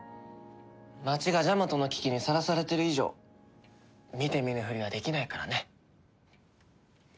町がジャマトの危機にさらされてる以上見て見ぬふりはできないからね。